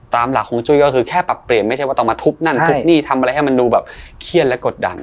ตามหลักของจุ้ยก็คือแค่ปรับเปลี่ยนไม่ใช่ว่าต้องมาทุบนั่นทุบนี่ทำอะไรให้มันดูแบบเครียดและกดดัน